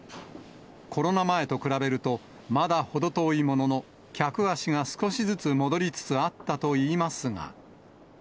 コロナ前と比べると、まだ程遠いものの、客足が少しずつ戻りつつあったといいますが。